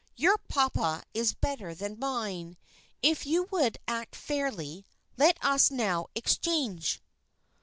"Your papa is better than mine. If you would act fairly, let us now exchange!"